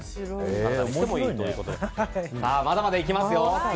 まだまだいきますよ。